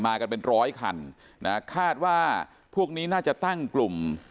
กันเป็นร้อยคันนะคาดว่าพวกนี้น่าจะตั้งกลุ่ม